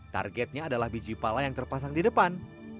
targetnya adalah biji pala yang terpasang di depan